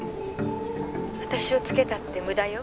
「私をつけたって無駄よ」